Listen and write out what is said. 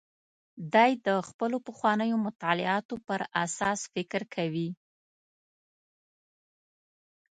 دی د خپلو پخوانیو مطالعاتو پر اساس فکر کوي.